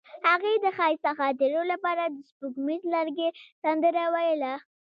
هغې د ښایسته خاطرو لپاره د سپوږمیز لرګی سندره ویله.